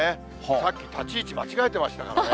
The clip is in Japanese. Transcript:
さっき、立ち位置間違えてましたからね。